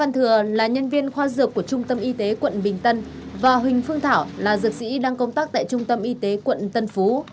văn thừa là nhân viên khoa dược của trung tâm y tế quận bình tân và huỳnh phương thảo là dược sĩ đang công tác tại trung tâm y tế quận tân phú